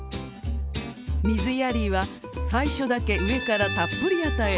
水やりは最初だけ上からたっぷり与え